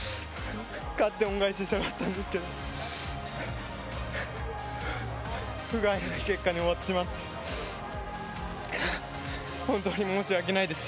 勝って恩返ししたかったんですけど、ふがいない結果に終わってしまって、本当に申し訳ないです。